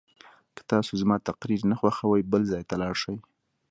که تاسو زما تقریر نه خوښوئ بل ځای ته لاړ شئ.